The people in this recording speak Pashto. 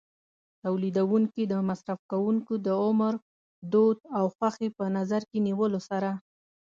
تولیدوونکي د مصرف کوونکو د عمر، دود او خوښۍ په نظر کې نیولو سره.